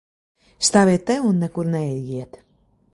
Stāviet te un nekur neejiet!